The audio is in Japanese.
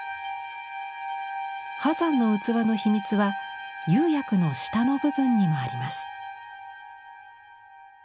波山の器の秘密は釉薬の下の部分にもあります。